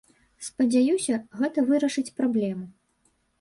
Спадзяюся, гэта вырашыць праблему.